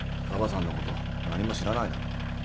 カバさんのこと何も知らないだろ。